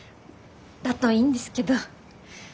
だといいんですけど。